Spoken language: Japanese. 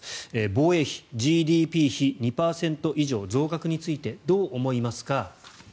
防衛費、ＧＤＰ比２％以上増額についてどう思いますか？